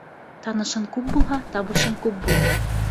Танышын күп булһа, табышың күп булыр.